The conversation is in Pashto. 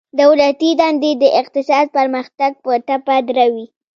دولتي دندي د اقتصاد پرمختګ په ټپه دروي